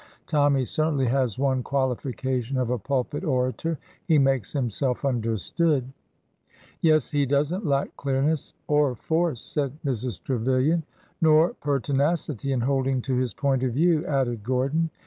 Tommy certainly has one qualification of a pulpit orator— he makes himself under stood." '' Yes, he does n't lack clearness— or force," said Mrs. Trevilian. ''Nor pertinacity in holding to his point of view," added Gordon.